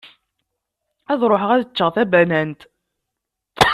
Ad ruḥeɣ ad ččeɣ tabanant.